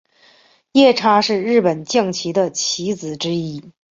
夜叉是日本将棋的棋子之一。